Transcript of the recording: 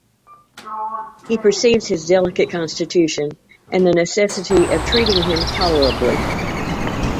He perceives his delicate constitution, and the necessity of treating him tolerably.